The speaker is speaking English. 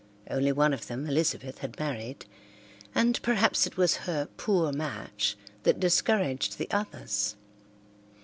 Only one of them, Elizabeth, had married, and perhaps it was her "poor match" that discouraged the others.